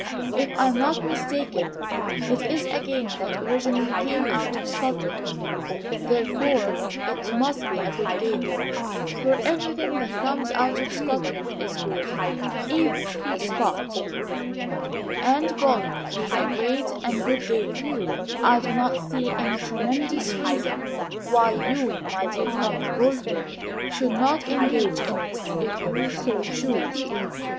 If I am not mistaken, It is a game that originally came out of Scotland; Therefore it must be a good game. For everything that comes out of Scotland is good, Even the Scot. And golf being a great and good game I do not see any tremendous reason Why you, my dear Common Golfer, Should not engage in it if you so choose.